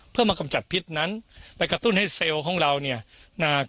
เพื่อมากำจัดพิษนั้นไปกระตุ้นให้เซลล์ของเราเนี่ยอ่า